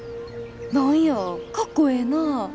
何やかっこええなぁ。